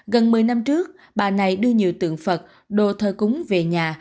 gần một mươi năm trước bà này đưa nhiều tượng phật đồ thơ cúng về nhà